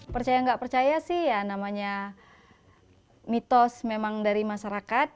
percaya nggak percaya sih ya namanya mitos memang dari masyarakat